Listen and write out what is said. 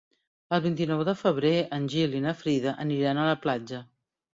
El vint-i-nou de febrer en Gil i na Frida aniran a la platja.